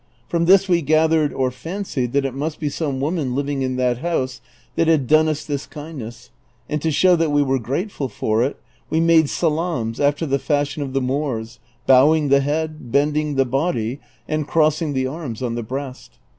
From this we gathered or fancied that it must be some woman living in that house that had done us this kindness, and to show that we were grateful for it, we made salaams after the fashion of the Moors, bowing the head, bending the body, and crossing the arms on the breast.